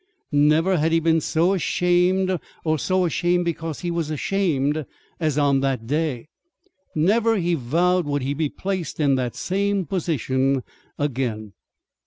Never had he been so ashamed or so ashamed because he was ashamed as on that day. Never, he vowed, would he be placed in the same position again.